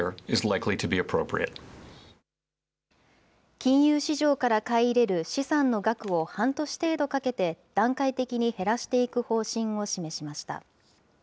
金融市場から買い入れる資産の額を半年程度かけて段階的に減らしていく方針を示しました。